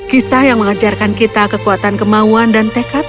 kisah yang mengajarkan kita kekuatan kemauan dan tekad